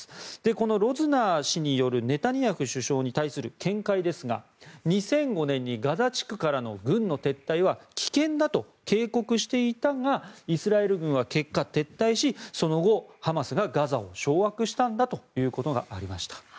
このロズナー氏によるネタニヤフ首相に対する見解ですが２００５年に、ガザ地区からの軍の撤退は危険だと警告していたがイスラエル軍は結果、撤退しその後、ハマスがガザを掌握したんだということがありました。